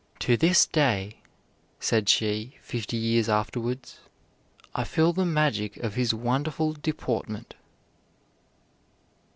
"To this day," said she fifty years afterwards, "I feel the magic of his wonderful deportment."